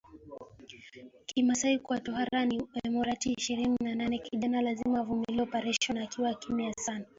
Kimasai kwa tohara ni emorata Ishirini na nane Kijana lazima avumilie oparesheni akiwa kimya